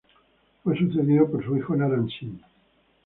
Fue sucedido por su hijo Naram-Sin.